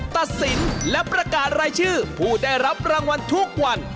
ตัดสินและประกาศรายชื่อผู้ได้รับรางวัลทุกวัน